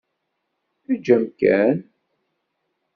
Eǧǧ amkan.